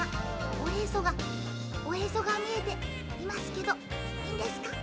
おへそがおへそがみえていますけどいいんですか？